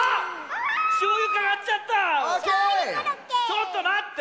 ちょっとまって。